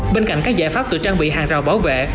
bên cạnh các giải pháp tự trang bị hàng rào bảo vệ